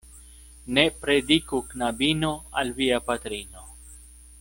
Ne prediku knabino al via patrino.